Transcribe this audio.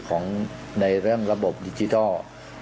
ของในเรื่องระบบดิจิทัล